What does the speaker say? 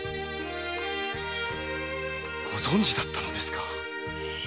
ご存じだったのですか？